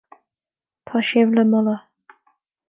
Tá sibh le moladh.